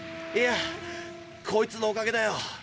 いやこいつのおかげだよ。